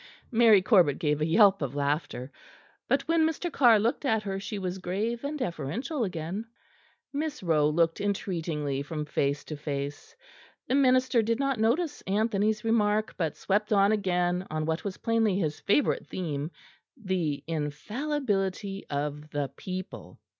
Mary Corbet gave a yelp of laughter; but when Mr. Carr looked at her she was grave and deferential again. Miss Rowe looked entreatingly from face to face. The minister did not notice Anthony's remark; but swept on again on what was plainly his favourite theme, the infallibility of the people.